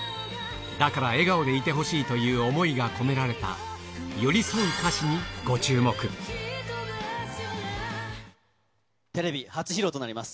だから笑顔でいてほしいという思いが込められた、テレビ初披露となります。